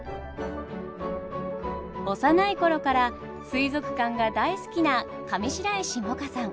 幼い頃から水族館が大好きな上白石萌歌さん。